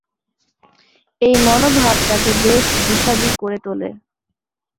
এই মনোভাব তাকে বেশ বিস্বাদী করে তোলে।